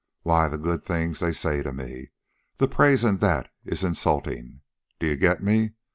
Why the good things they say to me, the praise an' that, is insulting. Do you get me?